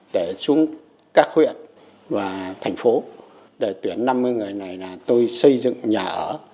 để xuống các huyện và thành phố để tuyển năm mươi người này là tôi xây dựng nhà ở